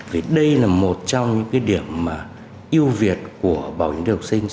vì đây là một trong những điểm yêu việt của bảo hiểm y tế học sinh